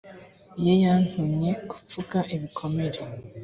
ye yantumye gupfuka ibikomere